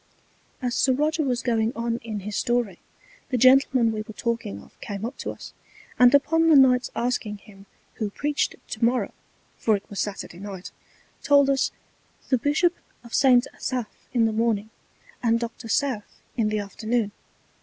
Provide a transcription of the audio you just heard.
As Sir Roger was going on in his Story, the Gentleman we were talking of came up to us; and upon the Knight's asking him who preached to morrow (for it was Saturday Night) told us, the Bishop of St. Asaph in the Morning, and Dr. South in the Afternoon.